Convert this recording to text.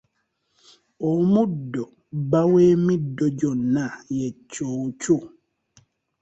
Omuddo bba w'emiddo gyonna ye Ccuucu.